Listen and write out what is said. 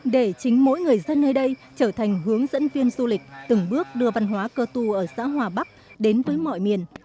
để chính mỗi người dân nơi đây trở thành hướng dẫn viên du lịch từng bước đưa văn hóa cơ tu ở xã hòa bắc đến với mọi miền